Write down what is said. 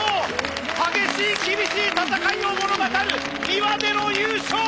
激しい厳しい戦いを物語る２羽での優勝！